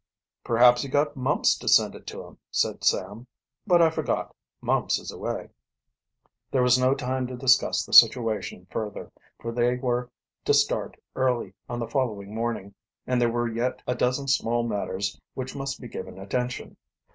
"Perhaps he got Mumps to send it to him," said Sam. "But I forgot, Mumps is away." There was no time to discuss the situation further, for they were to start early on the following morning, and there were yet a dozen small matters which must be given attention.